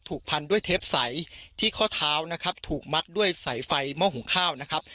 พันด้วยเทปใสที่ข้อเท้านะครับถูกมัดด้วยสายไฟหม้อหุงข้าวนะครับ